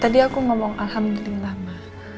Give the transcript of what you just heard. tadi aku ngomong alhamdulillah mah